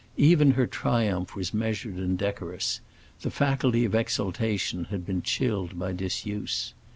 Even her triumph was measured and decorous; the faculty of exultation had been chilled by disuse.